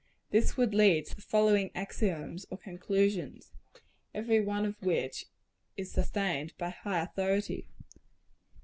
This would lead to the following axioms or conclusions, every one of which is sustained by high authority.